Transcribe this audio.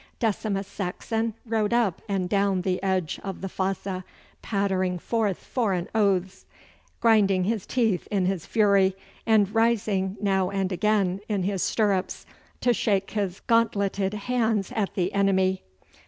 Decimus Saxon rode up and down the edge of the fosse, pattering forth foreign oaths, grinding his teeth in his fury, and rising now and again in his stirrups to shake his gauntleted hands at the enemy.